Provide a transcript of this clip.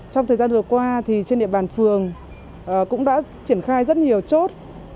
trong thời gian vừa qua trên địa bàn phường cũng đã triển khai rất nhiều chốt